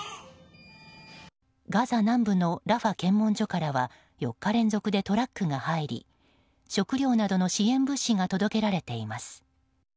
ガザ南部のラファ検問所からは４日連続でトラックが入り食料などの支援物資が届けられています。